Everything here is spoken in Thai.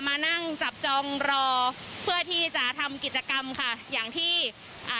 มานั่งจับจองรอเพื่อที่จะทำกิจกรรมค่ะอย่างที่อ่า